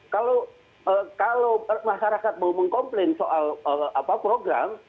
kalau masyarakat mau mengkomplain soal program